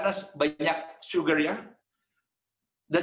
tapi rasanya sangat buruk karena hambar